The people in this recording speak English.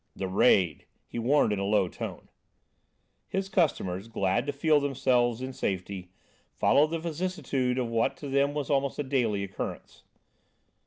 "The raid," he warned in a low tone. His customers, glad to feel themselves in safety, followed the vicissitudes of what to them was almost a daily occurrence.